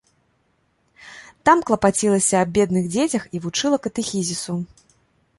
Там клапацілася аб бедных дзецях і вучыла катэхізісу.